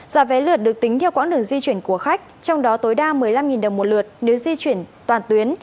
giá vé lượt được tính theo quãng đường di chuyển của khách trong đó tối đa một mươi năm đồng một lượt nếu di chuyển toàn tuyến